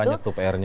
banyak tuh pr nya